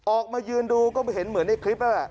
ออกมายืนดูก็เห็นเหมือนในคลิปนั่นแหละ